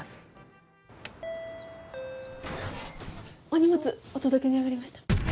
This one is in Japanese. お荷物お届けに上がりました。